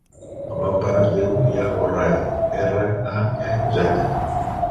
El meu pare es diu Iago Raez: erra, a, e, zeta.